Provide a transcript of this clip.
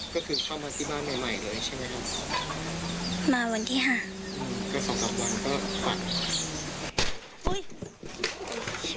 เข้ามาที่บ้านใหม่เลยใช่ไหมครับ